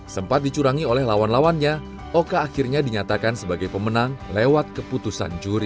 sampai dicipuat oleh lawan dua oka terakhir dinyatakan sebagai pemenang lewat keputusan juri